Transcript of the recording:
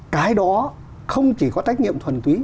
cái đó không chỉ có trách nhiệm thuần túy